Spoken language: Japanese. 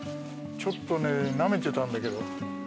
ちょっとねなめてたんだけど。